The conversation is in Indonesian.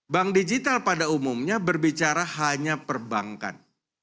bank digital pada umumnya berbicara hanya perbankan